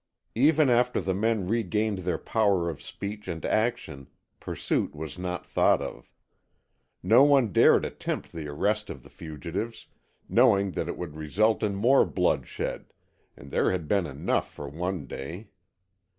Even after the men regained their power of speech and action, pursuit was not thought of. No one dared attempt the arrest of the fugitives, knowing that it would result in more bloodshed, and there had been enough for one day.